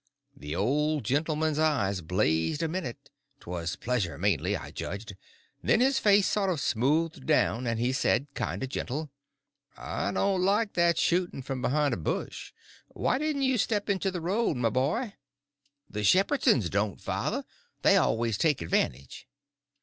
The old gentleman's eyes blazed a minute—'twas pleasure, mainly, I judged—then his face sort of smoothed down, and he says, kind of gentle: "I don't like that shooting from behind a bush. Why didn't you step into the road, my boy?" "The Shepherdsons don't, father. They always take advantage."